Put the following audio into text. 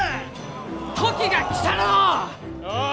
時が来たらのう！